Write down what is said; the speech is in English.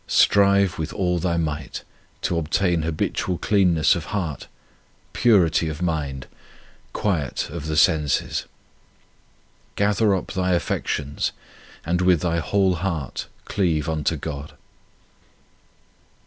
Strive with all thy might to obtain habitual clean ness of heart, purity of mind, quiet of the senses. Gather up thy affections, and with thy whole heart cleave unto God.